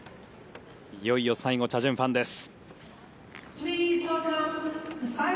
いよいよ最後チャ・ジュンファンです。